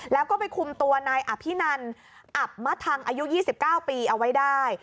แล้วก็ไปคุมตัวนายอภินันอับมะทังอายุ๒๙ปีเอาไว้ได้